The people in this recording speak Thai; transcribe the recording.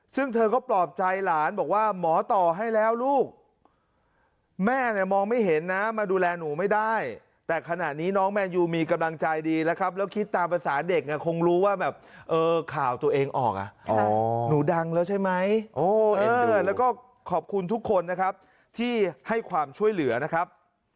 ซึ่งเธอก็ปลอบใจหลานบอกว่าหมอต่อให้แล้วลูกแม่เนี่ยมองไม่เห็นนะมาดูแลหนูไม่ได้แต่ขณะนี้น้องแมนยูมีกำลังใจดีแล้วครับแล้วคิดตามภาษาเด็กคงรู้ว่าแบบเออข่าวตัวเองออกอ่ะหนูดังแล้วใช่ไหมเห็นด้วยแล้วก็ขอบคุณทุกคนนะครับที่ให้ความช่วยเหลือนะครับ